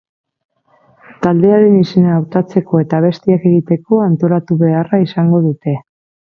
Taldearen izena hautatzeko eta abestiak egiteko antolatu beharra izango dute.